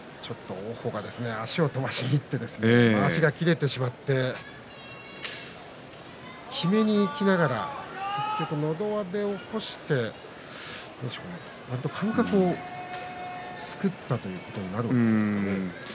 王鵬が足を飛ばしにいってまわしが切れてしまってきめにいきながらのど輪で起こして間隔を作ったということになるんですかね。